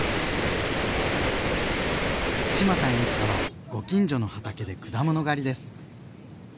志麻さん一家はご近所の畑で果物狩りです。